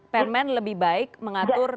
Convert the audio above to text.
permen lebih baik mengatur